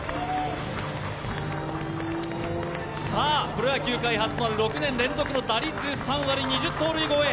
プロ野球界初の６年連続打率３割の２０盗塁超え。